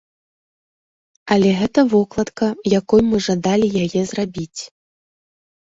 Але гэта вокладка, якой мы жадалі яе зрабіць.